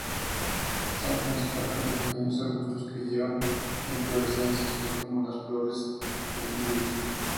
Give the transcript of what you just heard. Son principalmente pequeños arbustos que llevan inflorescencias de como las flores de lirios.